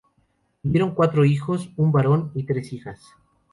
Tuvieron cuatro hijos: un varón y tres hijas.